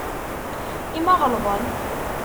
I ma ɣelḍen?